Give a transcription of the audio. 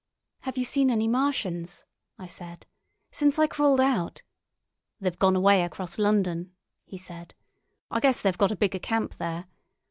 "Have you seen any Martians?" I said. "Since I crawled out——" "They've gone away across London," he said. "I guess they've got a bigger camp there.